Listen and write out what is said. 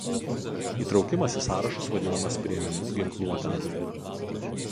Įtraukimas į sąrašus vadinamas "priėmimu ginkluotėn".